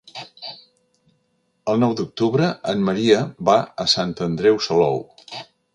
El nou d'octubre en Maria va a Sant Andreu Salou.